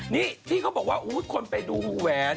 นี่ที่เขาบอกว่าคนไปดูแหวน